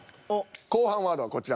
後半ワードはこちら。